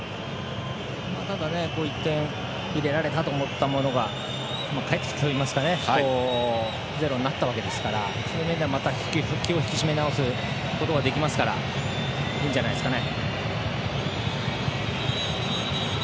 ただ、１点入れられたと思ったものが返ってきたといいますか０になったわけですからそういう意味ではまた気を引き締め直すことができますからいいんじゃないですかね。